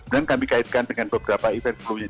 dan kami kaitkan dengan beberapa event sebelumnya